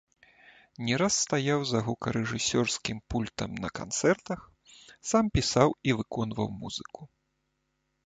Не раз стаяў за гукарэжысёрскім пультам на канцэртах, сам пісаў і выконваў музыку.